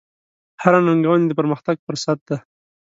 هره ننګونه د پرمختګ فرصت دی.